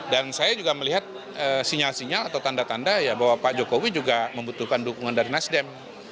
dan saya juga melihat sinyal sinyal atau tanda tanda bahwa pak jokowi juga membutuhkan dukungan dari nasdem